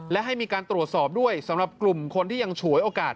และให้มีการตรวจสอบด้วยสำหรับกลุ่มคนที่ยังฉวยโอกาส